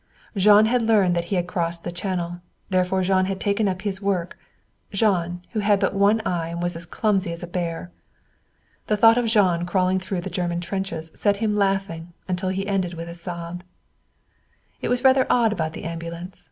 Jean had learned that he had crossed the channel. Therefore Jean had taken up his work Jean, who had but one eye and was as clumsy as a bear. The thought of Jean crawling through the German trenches set him laughing until he ended with a sob. It was rather odd about the ambulance.